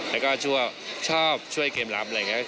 แล้วก็ชอบช่วยเกมรับอะไรอย่างนี้